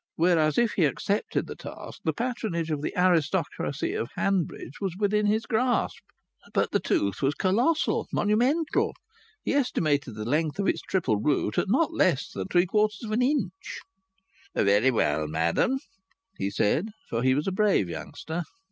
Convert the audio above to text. Whereas, if he accepted the task, the patronage of the aristocracy of Hanbridge was within his grasp. But the tooth was colossal, monumental. He estimated the length of its triple root at not less than 0.75 inch. "Very well, madam," he said, for he was a brave youngster.